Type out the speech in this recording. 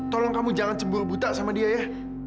tolong kamu jangan cemburu buta sama dia ya